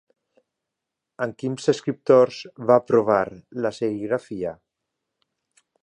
Amb quins escriptors va provar la serigrafia?